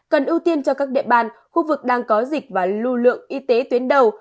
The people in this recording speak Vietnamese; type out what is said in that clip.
cần ưu tiên cho các địa bàn khu vực đang có dịch và lưu lượng y tế tuyến đầu